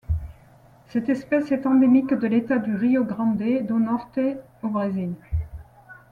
Cette espèce est endémique de l'État du Rio Grande do Norte au Brésil.